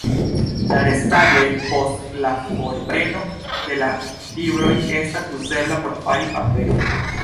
La restaĵoj post la forpreno de la fibroj estas uzebla por fari paperon.